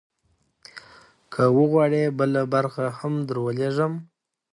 که وغواړې، بله برخه هم درولیږم.